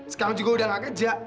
sekarang juga udah gak kerja